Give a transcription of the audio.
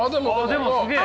でもすげえ。